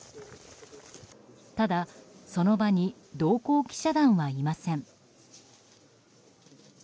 ただ、その場に同行記者団はいません。